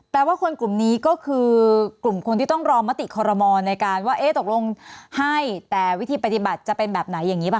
ว่าคนกลุ่มนี้ก็คือกลุ่มคนที่ต้องรอมติคอรมอลในการว่าเอ๊ะตกลงให้แต่วิธีปฏิบัติจะเป็นแบบไหนอย่างนี้ป่